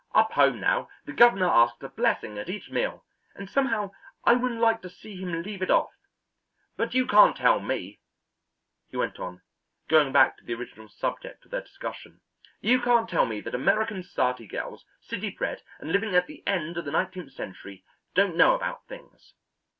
"Up home, now, the governor asks a blessing at each meal, and somehow I wouldn't like to see him leave it off. But you can't tell me," he went on, going back to the original subject of their discussion, "you can't tell me that American society girls, city bred, and living at the end of the nineteenth century, don't know about things.